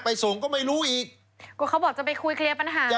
ส่งก็ไม่รู้อีกก็เขาบอกจะไปคุยเคลียร์ปัญหา